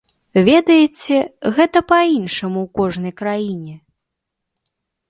Ведаеце, гэта па-іншаму ў кожнай краіне.